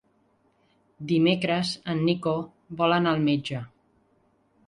Dimecres en Nico vol anar al metge.